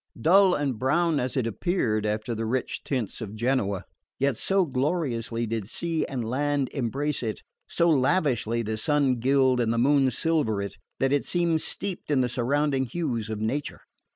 Dull and brown as it appeared after the rich tints of Genoa, yet so gloriously did sea and land embrace it, so lavishly the sun gild and the moon silver it, that it seemed steeped in the surrounding hues of nature.